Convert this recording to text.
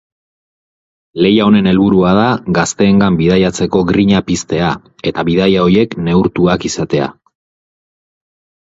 Lehia honen helburua da gazteengan bidaiatzeko grina piztea eta bidaia horiek neurtuak izatea.